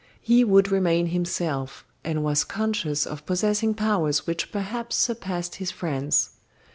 He would remain himself, and was conscious of possessing powers which perhaps surpassed his friend's.